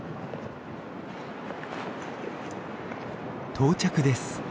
到着です。